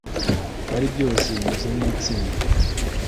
ari byose bimeze nkitsinda